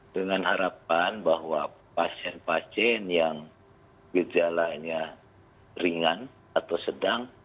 dengan harapan bahwa pasien pasien yang gejalanya ringan atau sedang